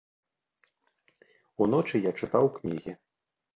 Уночы я чытаў кнігі.